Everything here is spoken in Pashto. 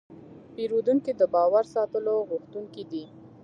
پیرودونکی د باور ساتلو غوښتونکی دی.